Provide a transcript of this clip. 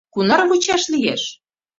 — Кунар вучаш лиеш?